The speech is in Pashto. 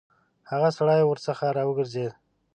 هغه سړی ورڅخه راوګرځېد.